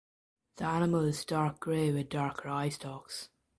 The animal is dark grey with darker eyestalks.